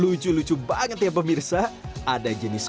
lucu lucu banget ya pemirsa ada jenis